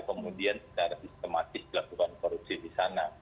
kemudian secara sistematis dilakukan korupsi di sana